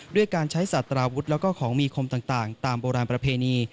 ด้วยการใช้สารวุฒิแล้วก็ของมีคมต่างตามโบราณประเพณี